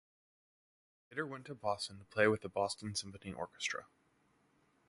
He later went to Boston to play with the Boston Symphony Orchestra.